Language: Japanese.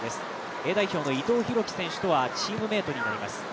Ａ代表の伊藤洋輝選手とはチームメイトになります。